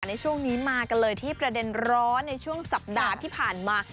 ในช่วงนี้มากันเลยที่ประเด็นร้อนในช่วงสัปดาห์ที่ผ่านมา